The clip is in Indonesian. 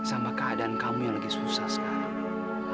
sama keadaan kamu yang lagi susah sekarang